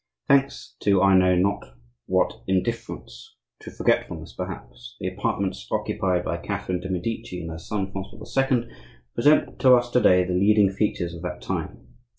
Thanks to I know not what indifference, to forgetfulness perhaps, the apartments occupied by Catherine de' Medici and her son Francois II. present to us to day the leading features of that time.